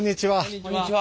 こんにちは。